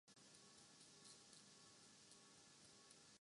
اچھی تعلیم زندگی میں بہترین ممکنہ آغاز مہیا کردیتی ہے